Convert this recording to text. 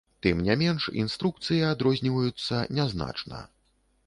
Тым не менш інструкцыі адрозніваюцца нязначна.